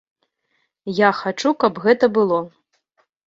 Я хачу, каб гэта было.